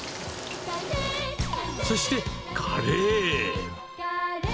そしてカレー。